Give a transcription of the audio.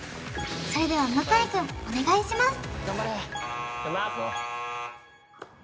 それでは向井くんお願いします